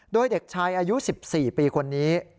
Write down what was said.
โดยเด็กชายอายุ๑๔ปีคนนี้